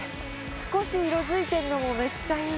少し色づいてるのもめっちゃいい。